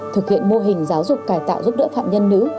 thực hiện mô hình giáo dục cải tạo giúp đỡ phạm nhân nữ